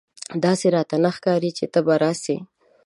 داسي راته نه ښکاري چې ته به راسې !